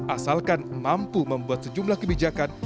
asalkan mampu membuat sejumlah kebijakan